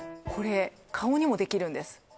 これ顔にもできるんです